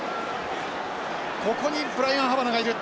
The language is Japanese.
ここにブライアンハバナがいる。